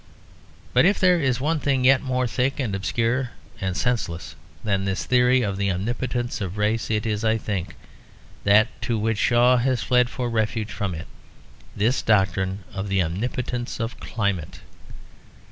But if there is one thing yet more thick and obscure and senseless than this theory of the omnipotence of race it is, I think, that to which Shaw has fled for refuge from it; this doctrine of the omnipotence of climate.